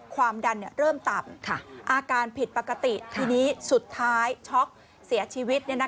ความดันเริ่มต่ำอาการผิดปกติทีนี้สุดท้ายช็อกเสียชีวิต